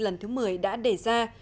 lần thứ một mươi đã đề ra